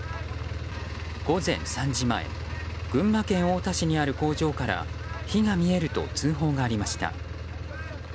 午前３時前群馬県太田市にある工場から火が見えると通報がありました。